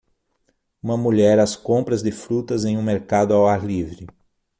Uma mulher às compras de frutas em um mercado ao ar livre